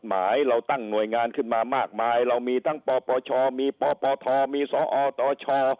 หมายเราตั้งหน่วยงานขึ้นมามากมายเรามีทั้งปปชมีปปทมีสอตช